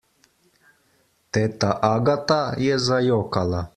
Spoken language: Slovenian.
Teta Agata je zajokala.